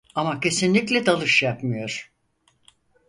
Ama kesinlikle dalış yapmıyor.